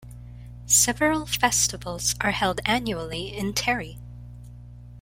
Several festivals are held annually in Terry.